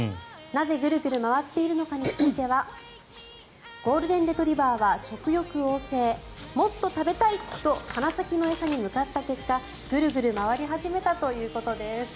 なぜグルグル回っているのかについてはゴールデンレトリバーは食欲旺盛もっと食べたいと鼻先の餌に向かった結果グルグル回り始めたということです。